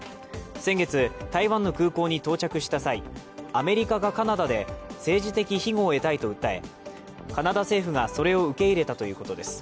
先月、台湾の空港に到着した際、アメリカかカナダで政治的ひごを得たいと訴えカナダ政府がそれを受け入れたということです